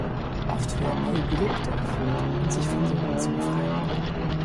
Oft werden hier Gelübde erfüllt, um sich von Sünden zu befreien.